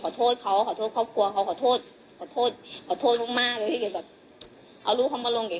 คุณไม่เข้าใจหรอกว่าแบบถ้าเก๋เป็นคนอื่นแล้วเก๋เห็นเรื่องของคนอื่นแบบนั้นแล้วเก๋ไม่รู้เรื่องของเขา